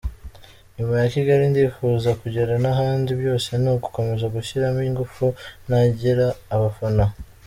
Nyuma ya Kigali ndifuza kugera n’ahandi, byose ni ugukomeza gushyiramo ingufu negera abafana.